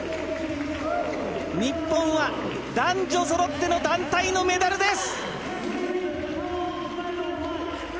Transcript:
日本は男女そろっての団体のメダルです！